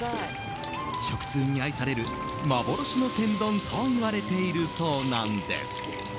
食通に愛される幻の天丼といわれているそうなんです。